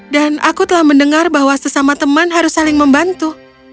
dan aku telah mendengar bahwa sesama teman harus saling membantu